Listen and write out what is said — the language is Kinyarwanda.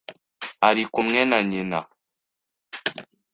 ari kumwe na nyina.